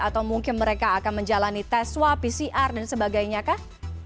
atau mungkin mereka akan menjalani tes swab pcr dan sebagainya kah